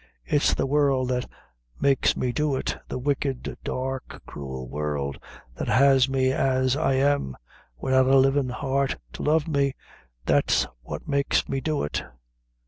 It's the world that makes me do it the wicked, dark, cruel world, that has me as I am, widout a livin' heart to love me that's what makes me do it."